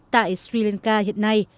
tại sri lanka hiện nay